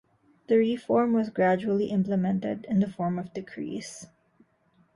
The reform was gradually implemented in the form of decrees.